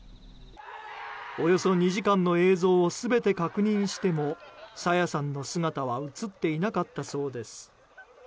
およそ２時間の映像を全て確認しても朝芽さんの姿は映っていなかったそうです。